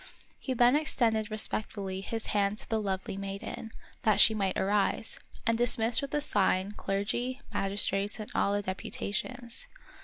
He then ex tended respectfully his hand to the lovely maiden, that she might arise, and dismissed with a sign clergy, magistrates, and all the deputations.